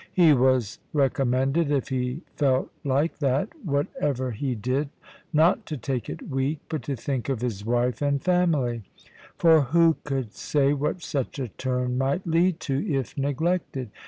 He was recommended, if he felt like that, whatever he did, not to take it weak, but to think of his wife and family; for who could say what such a turn might lead to, if neglected?